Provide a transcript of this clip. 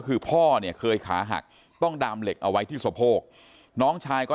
คือพ่อเนี่ยเคยขาหักต้องดามเหล็กเอาไว้ที่สะโพกน้องชายก็